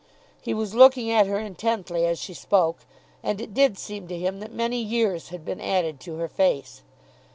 He was looking at her intently as she spoke, and it did seem to him that many years had been added to her face.